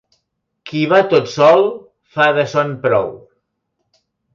Qui va tot sol, fa de son prou.